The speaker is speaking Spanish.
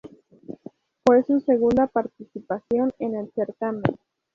Fue su segunda participación en el certamen.